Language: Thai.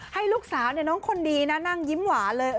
ให้ลูกสาวน้องคนดีนะนั่งยิ้มหวานเลย